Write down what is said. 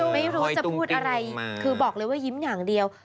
ไม่รู้จะพูดอะไรคือบอกเลยว่ายิ้มอย่างเดียว